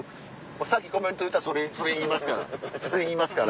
先コメントそれ言いますからそれ言いますから。